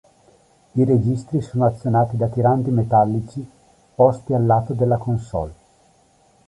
I registri sono azionati da tiranti metallici posti al lato della consolle.